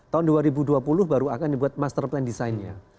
tahun dua ribu dua puluh baru akan dibuat master plan design nya